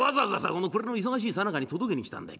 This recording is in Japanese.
この暮れの忙しいさなかに届けに来たんだい。